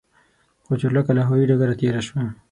خو چورلکه له هوايي ډګر تېره شوه.